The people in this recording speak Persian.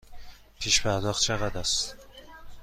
پیش پرداخت چقدر است؟